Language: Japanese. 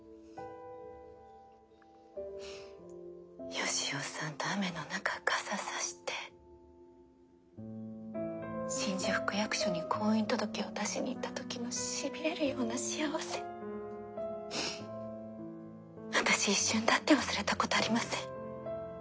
義雄さんと雨の中傘差して新宿区役所に婚姻届を出しに行った時のしびれるような幸せ私一瞬だって忘れたことありません。